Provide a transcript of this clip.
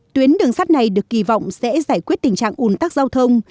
tuyến đường sắt này được kỳ vọng sẽ giải quyết tình trạng ủn tắc giao thông